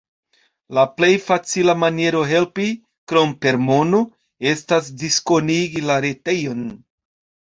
La plej facila maniero helpi, krom per mono, estas diskonigi la retejon.